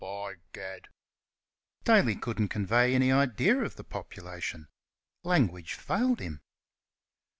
By gad!" Daly couldn't convey any idea of the population. Language failed him.